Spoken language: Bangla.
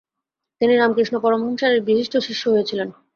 তিনি রামকৃষ্ণ পরমহংসের এক বিশিষ্ট শিষ্য হয়েছিলেন।